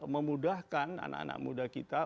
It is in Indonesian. memudahkan anak anak muda kita